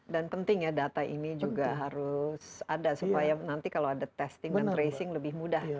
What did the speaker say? dan penting ya data ini juga harus ada supaya nanti kalau ada testing dan tracing lebih mudah ya